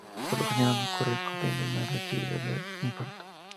Por lo general, no ocurre acompañado de una recidiva del infarto.